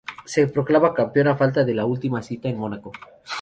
Se proclama campeón a falta de la última cita en Macao.